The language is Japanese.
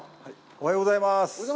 おはようございます。